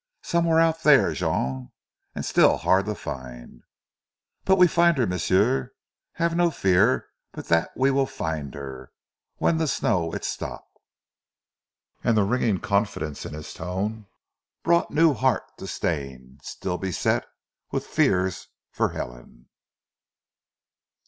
"Somewhere out there, Jean, and still to find." "But we fin' her, m'sieu. Haf no fear but dat we weel her find, when zee snow it stop!" And the ringing confidence in his tone brought new heart to Stane, still beset with fears for Helen.